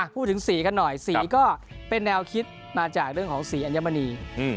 พูดถึงสีกันหน่อยสีก็เป็นแนวคิดมาจากสีอัญญหาบรรณี